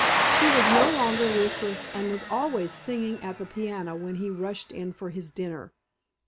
She was no longer listless and was always singing at the piano when he rushed in for his dinner.